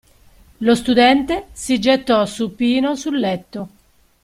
Lo studente si gettò supino sul letto.